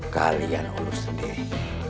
kalian urus sendiri